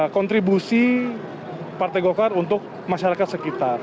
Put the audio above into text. kontribusi partai golkar untuk masyarakat sekitar